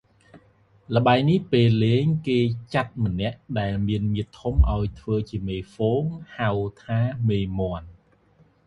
ល្បែងនេះពេលលេងគេចាត់ម្នាក់ដែលមានមាឌធំឱ្យធ្វើជាមេហ្វូងហៅថាមេមាន់